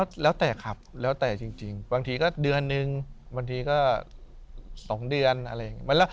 แล้วแต่ครับแล้วแต่จริงบางทีก็เดือนนึงบางทีก็๒เดือนอะไรอย่างนี้